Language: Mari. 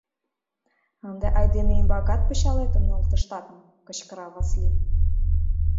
Ынде айдеме ӱмбакат пычалетым нӧлтыштат мо? — кычкыра Васлий.